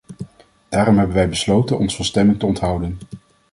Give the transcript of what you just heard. Daarom hebben wij besloten ons van stemming te onthouden.